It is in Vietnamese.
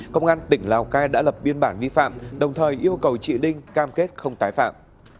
công an tỉnh lào cai đã lập biên bản vi phạm đồng thời yêu cầu chị linh cam kết không tái phạm